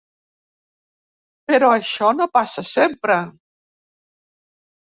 Però això no passa sempre.